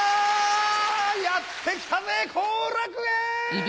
やって来たぜ後楽園！